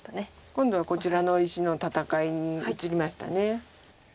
今度はこちらの石の戦いに移りました。